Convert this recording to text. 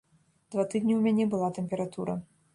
Два тыдні ў мяне была тэмпература.